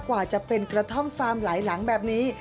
กว่าจะเป็นกระท่อมฟาร์มหลายหลังแบบนี้